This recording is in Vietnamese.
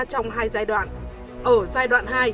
trong hai giai đoạn ở giai đoạn hai